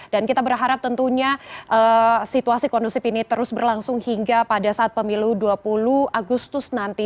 dan kita berharap tentunya situasi kondusif ini terus berlangsung hingga pada saat pemilu dua puluh agustus nanti